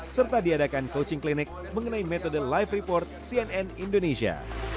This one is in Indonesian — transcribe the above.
serta diadakan coaching clinic mengenai metode live report cnn indonesia